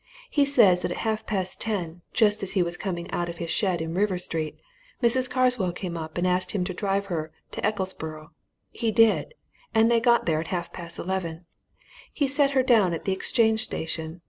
He says that at half past ten, just as he was coming out of his shed in River Street, Mrs. Carswell came up and asked him to drive her into Ecclesborough. He did they got there at half past eleven: he set her down at the Exchange Station.